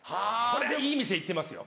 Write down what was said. これはいい店行ってます。